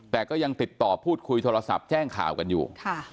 แต่ก็ยังติดต่อพูดคุยโทรศัพท์แจ้งข่าวกันอยู่